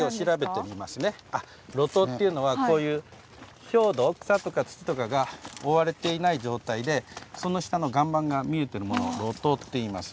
「露頭」っていうのはこういう表土草とか土とかが覆われていない状態でその下の岩盤が見えてるものを「露頭」って言います。